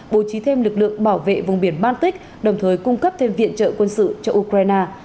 bố trí thêm lực lượng bảo vệ vùng biển baltic đồng thời cung cấp thêm viện trợ quân sự cho ukraine